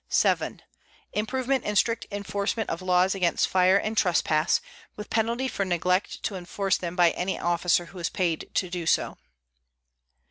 7. Improvement and strict enforcement of laws against fire and trespass, with penalty for neglect to enforce them by any officer who is paid to do so.